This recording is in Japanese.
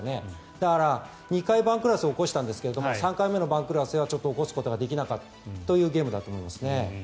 だから２回番狂わせを起こしたんですが３回目の番狂わせは起こすことができなかったというゲームだったと思いますね。